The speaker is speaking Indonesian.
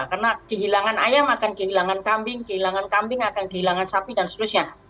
karena kehilangan ayam akan kehilangan kambing kehilangan kambing akan kehilangan sapi dan seterusnya